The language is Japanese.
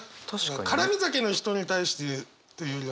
絡み酒の人に対してというよりは。